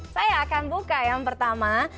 saya akan buka yang pertama